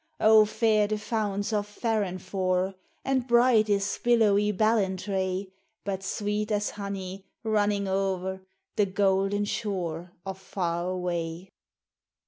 Oh, fair the founts of Farranfore, And bright is billowy Ballintrae ; But sweet as honey, running o'er, The Golden Shore of Far Away.